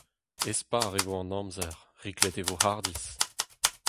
Espar e vo an amzer, riklet e vo hardizh !